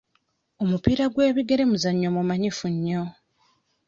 Omupiira gw'ebigere muzannyo mumanyifu nnyo.